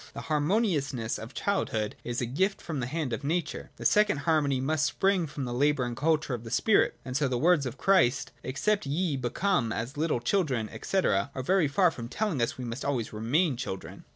The harmoniousness of childhood is a gift from the hand of nature : the second harmony must spring from the labour and culture of the spirit. And so the words of Christ, ' Except ye become as little children,' &c., are very far from telling us that we must always remain children.